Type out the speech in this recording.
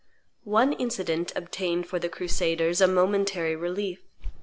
One incident obtained for the crusaders a momentary relief.